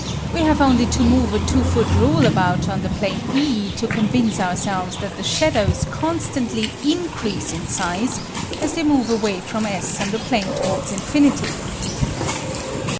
We have only to move a two foot rule about on the plane E to convince ourselves that the shadows constantly increase in size as they move away from S on the plane towards infinity."